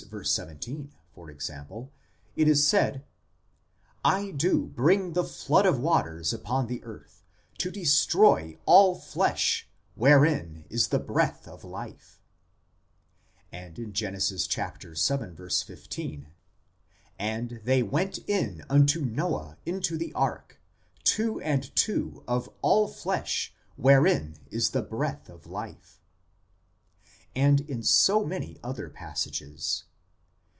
17, for example, it is said :" I do bring the flood of waters upon the earth, to destroy all flesh, wherein is the breath of life "; and in Gen. vii. 15 :" And they went in unto Noah into the ark, two and two of all flesh wherein is the breath of life "; and so in many other passages.